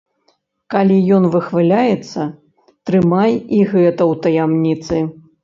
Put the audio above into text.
Калі ён выхваляецца, трымай і гэта ў таямніцы.